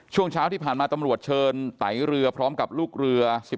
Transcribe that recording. ช่วงเช้าที่ผ่านมาตำรวจเชิญไตเรือพร้อมกับลูกเรือ